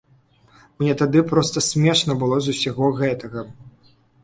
Мне тады проста смешна было з усяго гэтага.